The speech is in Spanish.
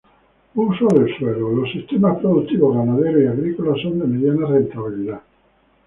Uso del Suelo.- Los sistemas productivos ganadero y agrícolas son de mediana rentabilidad.